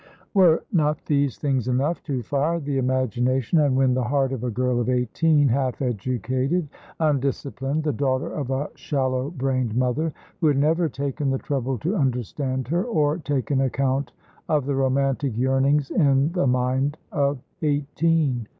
Were not these things enough to fire the imagination and win the heart of a girl of eighteen, half educated, undisciplined, the daughter of a shallow brained mother, who had never taken the trouble to understand her, or taken account of the romantic yearnings in the mind of eighteen?